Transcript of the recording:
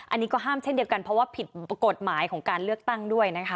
อันนี้ก็ห้ามเช่นเดียวกันเพราะว่าผิดกฎหมายของการเลือกตั้งด้วยนะคะ